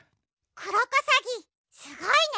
クロコサギすごいね！